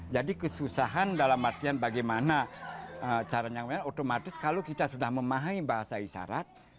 jadi kesusahan dalam artian bagaimana caranya otomatis kalau kita sudah memahami bahasa isyarat